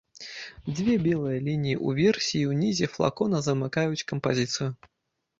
Дзве белыя лініі ўверсе і ўнізе флакона замыкаюць кампазіцыю.